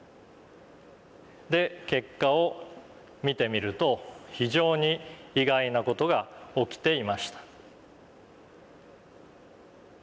で結果を見てみると非常に意外な事が起きていました。